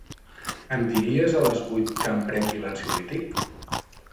Em diries a les vuit que em prengui l'ansiolític?